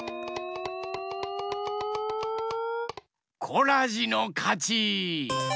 コラジのかち！